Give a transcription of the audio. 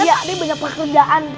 iya pak d banyak pekerjaan